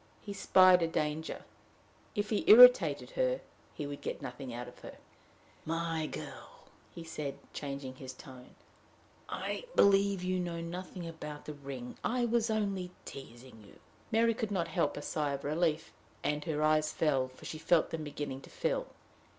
He spied a danger: if he irritated her, he would get nothing out of her! "My girl," he said, changing his tone, "I believe you know nothing about the ring; I was only teasing you." Mary could not help a sigh of relief, and her eyes fell, for she felt them beginning to fill.